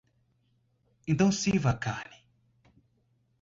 Então sirva a carne.